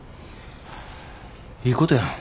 いいことやん。